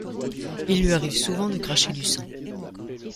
Il lui arrive souvent de cracher du sang.